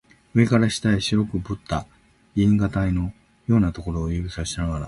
上から下へ白くけぶった銀河帯のようなところを指さしながら